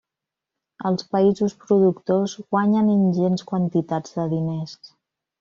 Els països productors guanyen ingents quantitats de diners.